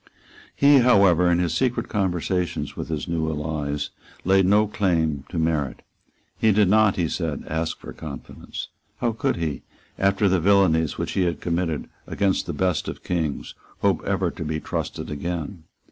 He however, in his secret conversations with his new allies, laid no claim to merit. He did not, he said, ask for confidence. How could he, after the villanies which he had committed against the best of Kings, hope ever to be trusted again?